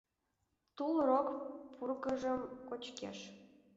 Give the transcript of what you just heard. Тул рок пургыжым кочкеш.